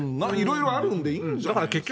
いろいろあるんでいいんじゃない。